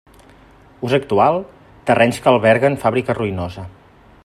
Ús actual: terrenys que alberguen fàbrica ruïnosa.